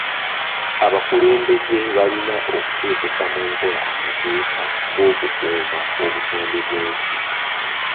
Abakulembeze balina okuteekesa mu nkola amateeka g'okukuuma obutonde bw'ensi.